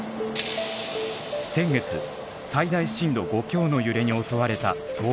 先月最大震度５強の揺れに襲われた東京。